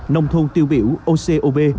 nông thôn tiêu biểu ocop